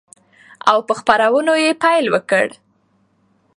او په خپرونو يې پيل وكړ،